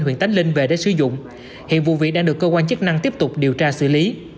huyện tánh linh về để sử dụng hiện vụ việc đang được cơ quan chức năng tiếp tục điều tra xử lý